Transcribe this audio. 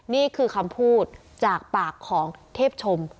นี่คือคำพูดจากปากของเทพชม